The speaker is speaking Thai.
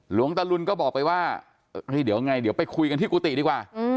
หลวงตะลุนก็บอกไปว่าเฮ้ยเดี๋ยวไงเดี๋ยวไปคุยกันที่กุฏิดีกว่า